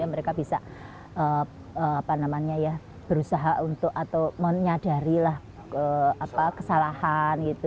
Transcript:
mereka bisa berusaha untuk menyadari kesalahan